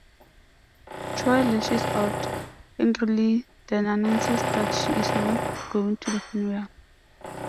Troy lashes out angrily then announces that she is not going to the funeral.